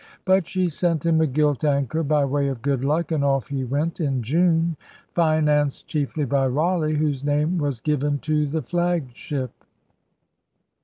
But she sent him a gilt anchor by way of good luck and off he went in June, financed chiefly by Raleigh, whose name was given to the flagship.